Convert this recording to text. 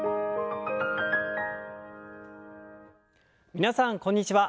皆さんこんにちは。